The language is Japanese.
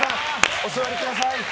お座りください。